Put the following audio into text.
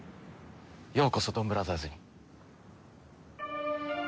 ようこそドンブラザーズに。